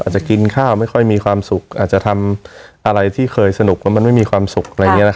อาจจะกินข้าวไม่ค่อยมีความแล้วคงไม่สุข